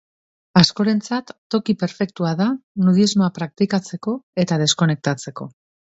Askorentzat, toki perfektua da nudismoa praktikatzeko eta deskonektatzeko.